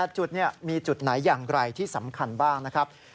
จุดมีจุดไหนอย่างไรที่สำคัญบ้างนะครับ